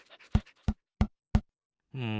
うん。